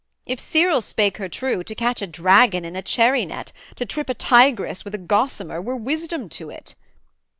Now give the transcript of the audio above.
if Cyril spake her true, To catch a dragon in a cherry net, To trip a tigress with a gossamer Were wisdom to it.'